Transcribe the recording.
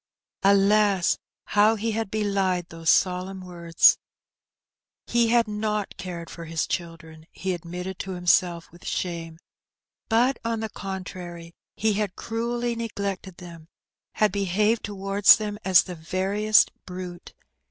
Alas! how he had belied those solemn words ! He had not cared for his children, he admitted to himself with shame; but, on the contrary, he had cruelly neglected them, had behaved towards them as the veriest brute.